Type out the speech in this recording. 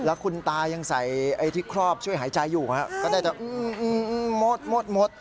แล้วคุณตายังใส่ไอ้ที่ครอบช่วยหายใจอยู่ก็ได้แต่มด